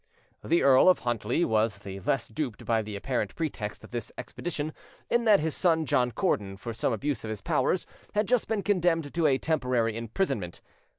The Earl of Huntly was the less duped by the apparent pretext of this expedition, in that his son, John Cordon, for some abuse of his powers, had just been condemned to a temporary imprisonment.